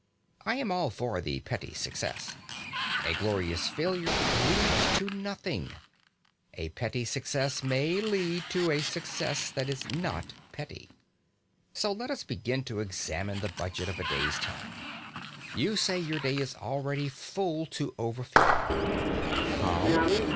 I am all for the petty success. A glorious failure leads to nothing; a petty success may lead to a success that is not petty. So let us begin to examine the budget of the day's time. You say your day is already full to overflowing. How?